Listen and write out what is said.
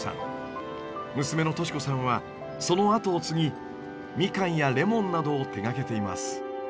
娘の稔子さんはその後を継ぎミカンやレモンなどを手がけています。